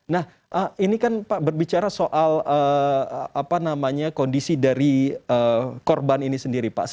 nah ini kan pak berbicara soal kondisi dari koronavirus